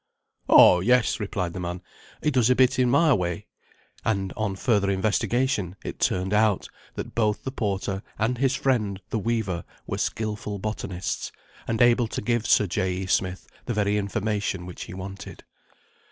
"Oh, yes," replied the man. "He does a bit in my way;" and, on further investigation, it turned out, that both the porter, and his friend the weaver, were skilful botanists, and able to give Sir J. E. Smith the very information which he wanted.